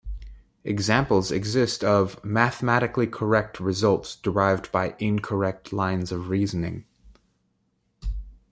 Examples exist of "mathematically correct results derived by incorrect lines of reasoning".